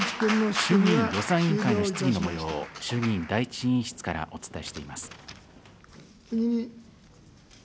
衆議院予算委員会の質疑のもようを、衆議院第１委員室からお伝えしています。